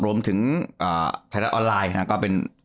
รวมถึงไทรัตรออนไลน์นะก็เป็น